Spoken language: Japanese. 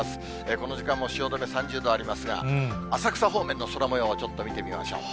この時間も汐留３０度ありますが、浅草方面の空もようをちょっと見てみましょう。